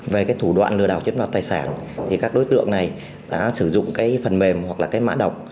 về thủ đoạn lừa đảo chiếm đoạt tài sản các đối tượng này đã sử dụng phần mềm hoặc mã đọc